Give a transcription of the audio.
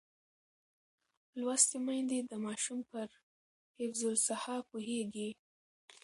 لوستې میندې د ماشوم پر حفظ الصحه پوهېږي.